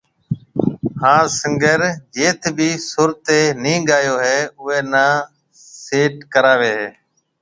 ھان سنگر جيٿ بِي سُر تي ني گايو ھيَََ اوئي ني سيٽ ڪراوي ھيَََ